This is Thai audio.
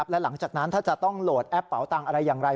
และหลังจากนั้นถ้าจะต้องโหลดแอปเป๋าตังค์อะไรอย่างไร